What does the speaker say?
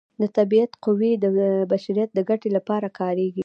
د طبیعت قوې د بشریت د ګټې لپاره کاریږي.